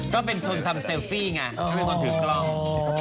ก็เป็นโทรนทำเซลฟี่ไง